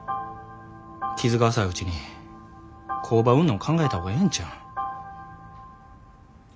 傷が浅いうちに工場売んの考えた方がええんちゃうん。